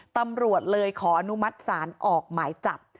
ตำรวจเลยขออนุมัติศาลออกหมายจับ